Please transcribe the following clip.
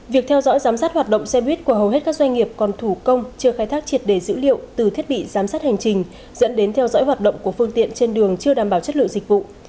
việc theo dõi giám sát hoạt động xe buýt của hầu hết các doanh nghiệp còn thủ công chưa khai thác triệt đề dữ liệu từ thiết bị giám sát hành trình dẫn đến theo dõi hoạt động của phương tiện trên đường chưa đảm bảo chất lượng dịch vụ